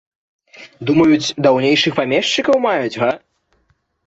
Думаюць, даўнейшых памешчыкаў маюць, га?